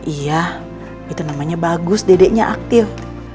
iya itu namanya bagus dedeknya aktif